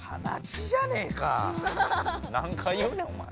何回言うねんおまえ。